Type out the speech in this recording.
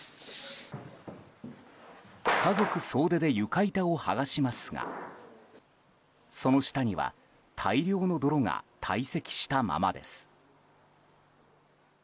家族総出で床板を剥がしますがその下には大量の泥が堆積したままです。